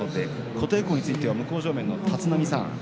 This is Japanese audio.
琴恵光については向正面の立浪さん